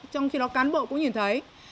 trong khi đó cán bộ cũng nhìn thấy